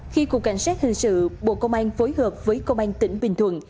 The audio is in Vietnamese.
khi cục cảnh sát hình sự bộ công an phối hợp với công an tỉnh bình thuận